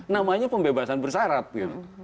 namanya pembebasan bersyarat gitu